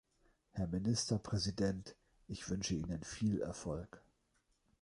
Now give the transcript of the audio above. Herr Ministerpräsident, ich wünsche Ihnen viel Erfolg.